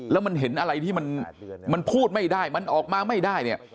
แล้วมันเห็นอะไรที่มันพูดไม่ได้มันออกมาไม่ได้เนี่ย